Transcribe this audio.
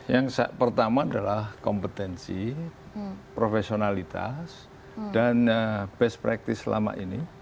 yang pertama adalah kompetensi profesionalitas dan best practice selama ini